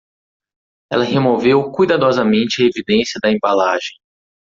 Ela removeu cuidadosamente a evidência da embalagem.